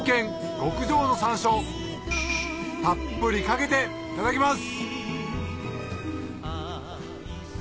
極上の山椒たっぷりかけていただきます！